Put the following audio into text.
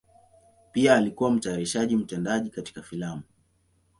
Pia alikuwa mtayarishaji mtendaji katika filamu.